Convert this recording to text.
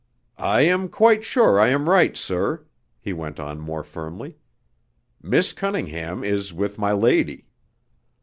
"I am quite sure I am right, sir," he went on more firmly. "Miss Cunningham is with my lady."